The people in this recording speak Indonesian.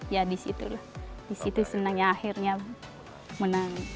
ya di situ lah di situ senangnya akhirnya menang